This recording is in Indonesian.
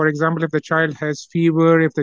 misalnya jika anak anak memiliki fever